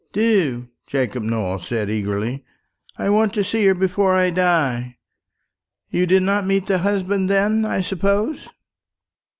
"Do," Jacob Nowell said eagerly; "I want to see her before I die. You did not meet the husband, then, I suppose?"